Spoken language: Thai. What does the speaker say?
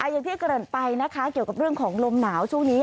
อย่างที่เกิดไปนะคะเกี่ยวกับเรื่องของลมหนาวช่วงนี้